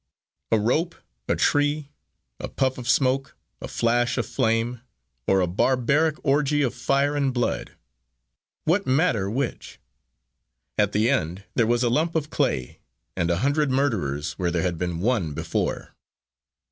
A rope, a tree a puff of smoke, a flash of flame or a barbaric orgy of fire and blood what matter which? At the end there was a lump of clay, and a hundred murderers where there had been one before.